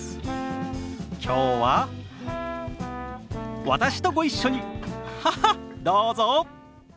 きょうは私とご一緒にハハッどうぞ！